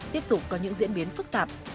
tiếp tục có những diễn biến phức tạp